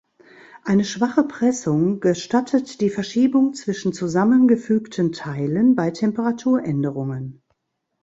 Eine schwache Pressung gestattet die Verschiebung zwischen zusammengefügten Teilen bei Temperaturänderungen.